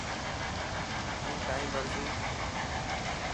جين تائن مرضي.